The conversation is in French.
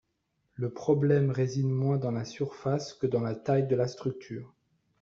Le problème réside moins dans la surface que dans la taille de la structure.